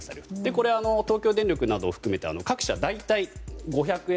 これは東京電力などを含め各社５００円